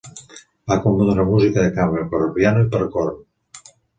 Va compondre música de cambra, per a piano i per a corn.